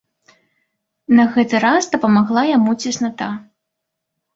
На гэты раз дапамагла яму цесната.